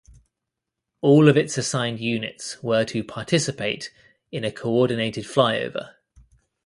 All of its assigned units were to participate in a coordinated flyover.